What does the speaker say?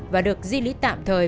và được di lý tạm thời